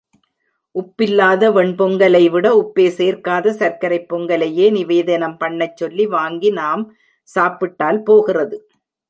உப்பில்லாத வெண்பொங்கலைவிட உப்பேசேர்க்காத சர்க்கரைப் பொங்கலையே நிவேதனம் பண்ணச் சொல்லி வாங்கி நாம் சாப்பிட்டால் போகிறது.